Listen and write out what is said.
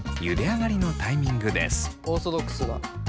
オーソドックスだ。